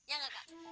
ya gak kak